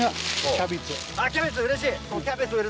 キャベツうれしい！